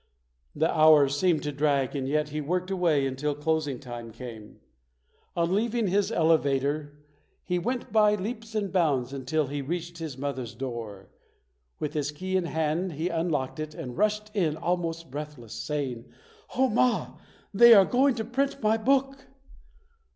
The hours seemed to drag and yet he worked away until closing time came. On leaving his elevator he went by leaps and bounds until he reached his mother's door. With his key in hand, he unlocked it and rushed in almost breathless, saying, "Oh, Ma, they are going to print my book!"